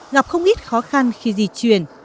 gặp không ít khó khăn khi di chuyển